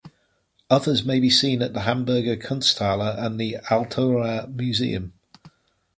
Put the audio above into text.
Others may be seen at the Hamburger Kunsthalle and the Altonaer Museum.